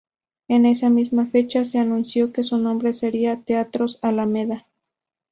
En esa misma fecha se anunció que su nombre sería "Teatros Alameda".